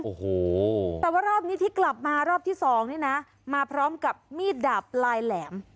โอ้โหแต่ว่ารอบนี้ที่กลับมารอบที่สองนี่นะมาพร้อมกับมีดดาบลายแหลม